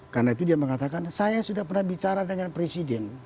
karena itu dia mengatakan saya sudah pernah bicara dengan presiden